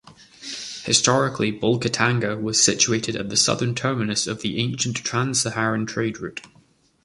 Historically Bolgatanga was situated at the southern terminus of the ancient Trans-Saharan trade route.